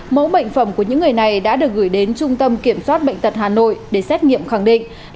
mẫu bệnh phẩm của những người này đã được gửi đến trung tâm kiểm soát bệnh tật hà nội để xét nghiệm khẳng định